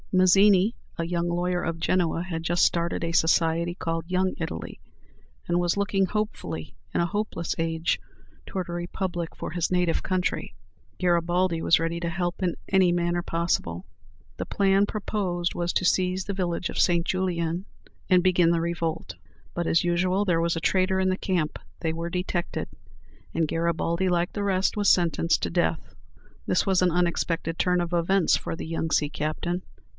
Mazzini, a young lawyer of Genoa, had just started a society called "Young Italy," and was looking hopefully, in a hopeless age, toward a republic for his native country. Garibaldi was ready to help in any manner possible. The plan proposed was to seize the village of St. Julien, and begin the revolt; but, as usual, there was a traitor in the camp: they were detected; and Garibaldi, like the rest, was sentenced to death. This was an unexpected turn of events for the young sea captain.